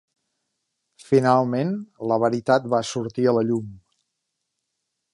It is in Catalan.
Finalment la veritat va sortir a la llum.